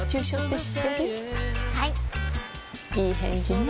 いい返事ね